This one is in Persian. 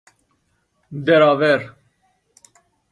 دروار